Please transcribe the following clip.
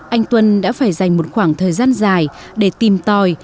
anh tuân đã phải dành một khoảng thời gian dài để tìm tòi